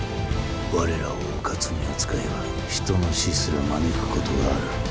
我らをうかつに扱えば人の死すら招くことがある。